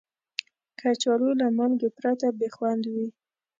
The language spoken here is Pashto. کچالو له مالګې پرته بې خوند وي